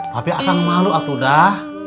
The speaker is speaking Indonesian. tapi akang malu atuh dah